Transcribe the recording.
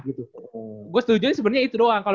gue setuju sebenarnya itu doang